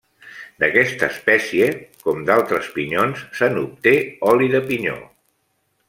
D'aquesta espècie, com d'altres pinyons, se n'obté oli de pinyó.